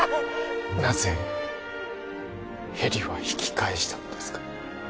なぜヘリは引き返したのですか？